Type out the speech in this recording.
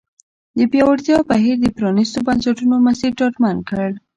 د پیاوړتیا بهیر د پرانیستو بنسټونو مسیر ډاډمن کړ.